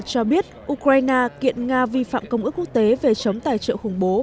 ngoại giao nga cho biết ukraine kiện nga vi phạm công ước quốc tế về chống tài trợ khủng bố